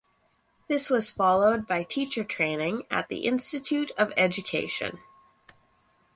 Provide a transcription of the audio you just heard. This was followed by teacher training at the Institute of Education.